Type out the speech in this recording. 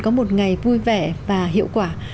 có một ngày vui vẻ và hiệu quả